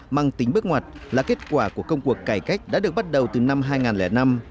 mang tính bước ngoặt là kết quả của công cuộc cải cách đã được bắt đầu từ năm hai nghìn năm